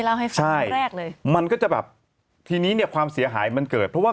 เล่าให้แรกเลยมันก็จะแบบทีนี้ความเสียหายมันเกิดเพราะว่า